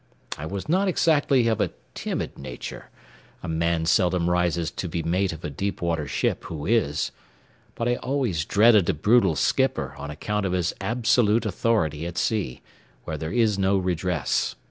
I was not exactly of a timid nature, a man seldom rises to be mate of a deep water ship who is, but I always dreaded a brutal skipper on account of his absolute authority at sea, where there is no redress.